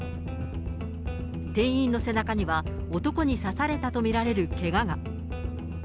店員の背中には、男に刺されたと見られるけがが。